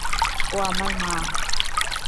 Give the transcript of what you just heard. ও আমার মা!